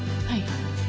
はい。